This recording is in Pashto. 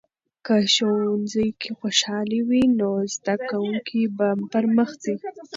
که ښوونځي کې خوشالي وي، نو زده کوونکي به پرمخ ځي.